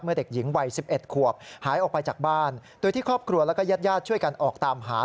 เมื่อเด็กหญิงวัย๑๑ขวบหายออกไปจากบ้านโดยที่ครอบครัวและเย็ดช่วยกันออกตามหา